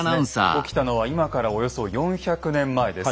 起きたのは今からおよそ４００年前です。